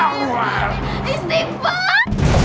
astagfirullahaladzim astagfirullahaladzim istighfar